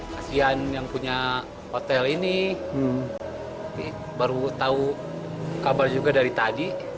kasian yang punya hotel ini baru tahu kabar juga dari tadi